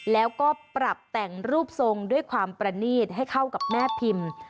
แล้วก็ปรับแต่งรูปทรงด้วยความประนีตให้เข้ากับแม่พิมพ์